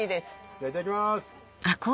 じゃあいただきます！